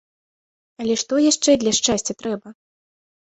Але што яшчэ для шчасця трэба?